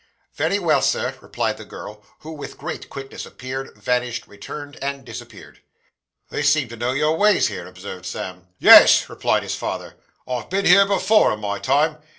'Very well, Sir,' replied the girl; who with great quickness appeared, vanished, returned, and disappeared. 'They seem to know your ways here,' observed Sam. 'Yes,' replied his father, 'I've been here before, in my time.